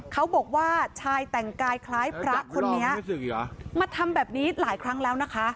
เขาบอกว่าชายแต่งกายคล้ายพระคนนี้มาทำแบบนี้หลายครั้งแล้วนะคะ